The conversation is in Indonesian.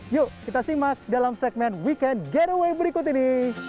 yuk kita simak dalam segmen weekend getaway berikut ini